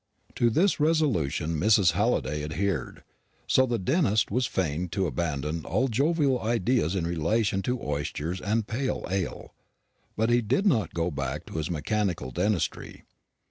To this resolution Mrs. Halliday adhered; so the dentist was fain to abandon all jovial ideas in relation to oysters and pale ale. But he did not go back to his mechanical dentistry.